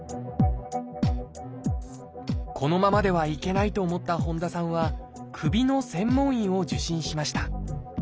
このままではいけないと思った本多さんは首の専門医を受診しました。